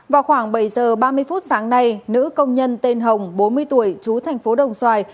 vào khoảng bảy giờ ba mươi phút sáng nay nữ công nhân tên hồng bốn mươi tuổi chú thành phố đồng xoài